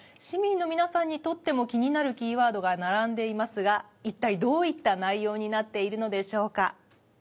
市民の皆さんにとっても気になるキーワードが並んでいますが一体どういった内容になっているのでしょうか？